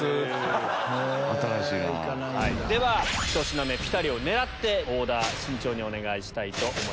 では１品目ピタリを狙ってオーダー慎重にお願いします。